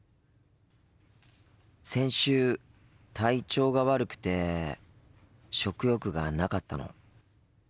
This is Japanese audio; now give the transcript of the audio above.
先週体調が悪くて食欲がなかったの。